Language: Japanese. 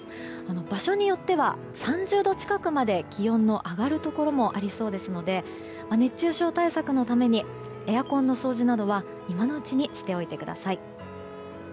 場所によっては３０度近くまで気温の上がるところもありそうですので熱中症対策のためにエアコンの掃除などは今のうちにしておいてください。